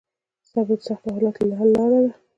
صبر د سختو حالاتو د حل لار ده.